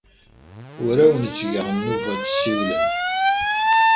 Ur awen-ttgeɣ nnuba ad tessiwlem.